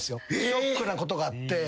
ショックなことがあって。